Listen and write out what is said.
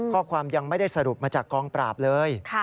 ยังไม่ได้สรุปมาจากกองปราบเลย